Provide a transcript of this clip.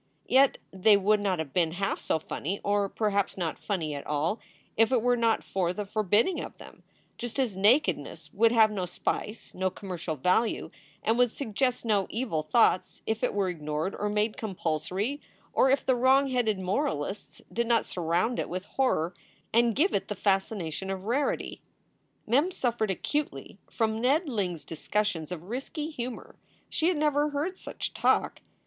Yet they would not have been half so funny or perhaps not funny at all if it were not for the forbidding of them, just as nakedness would have no spice, no commercial value, and would suggest no evil thoughts if it were ignored or made compulsory, or if the wrong headed moralists did not surround it with horror and give it the fascination of rarity. Mem suffered acutely from Ned Ling s discussions of risky humor. She had never heard such talk.